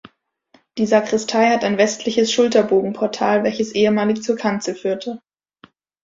Die Sakristei hat ein westliches Schulterbogenportal welches ehemalig zur Kanzel führte.